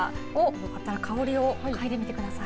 よかったら香りを嗅いでみてください。